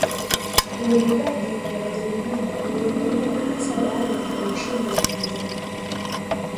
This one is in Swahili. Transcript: Uenezeaji wa Wajerumani uliendelea hasa baada ya kuushinda upinzani